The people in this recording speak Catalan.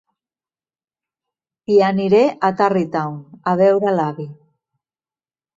I aniré a Tarrytown a veure l'avi.